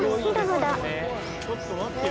ちょっと待ってよ